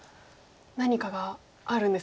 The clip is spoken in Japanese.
何かがあるんですね。